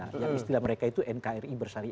yang istilah mereka itu nkri bersyariah